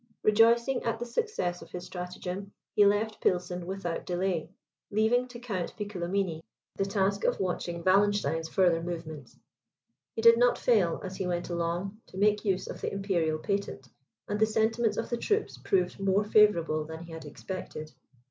Rejoicing at the success of his stratagem, he left Pilsen without delay, leaving to Count Piccolomini the task of watching Wallenstein's further movements. He did not fail, as he went along, to make use of the imperial patent, and the sentiments of the troops proved more favourable than he had expected.